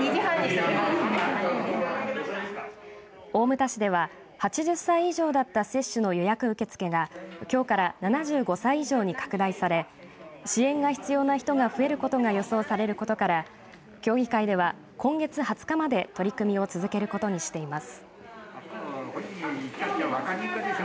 大牟田市では、８０歳以上だった接種の予約受け付けがきょうから７５歳以上に拡大され支援が必要な人が増えることが予想されることから協議会では今月２０日まで取り組みを続けることにしています。